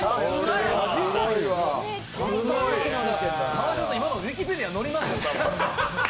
川島さん、今のウィキペディア載りますよ。